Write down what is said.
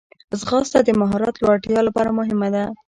ځغاسته د مهارت لوړتیا لپاره مهمه ده